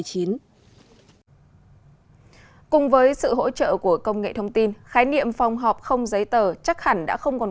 cùng với sự hỗ trợ của công nghệ thông tin khái niệm phòng họp không giấy tờ chắc hẳn đã không còn